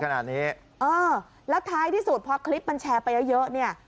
ขนาดนี้เออแล้วท้ายที่สุดพอคลิปมันแชร์ไปเยอะเนี่ย